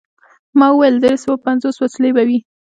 ما وویل: دری سوه پنځوس وسلې به وي.